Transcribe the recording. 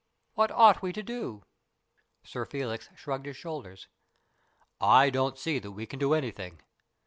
What ought we to do ?" Sir Felix shrugged his shoulders. " I don't see that we can do anything.